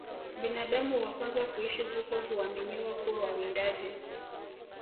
Binadamu wa kwanza kuishi huko huaminiwa kuwa wawindaji